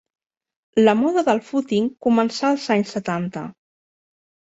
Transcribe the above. La moda del fúting començà als anys setanta.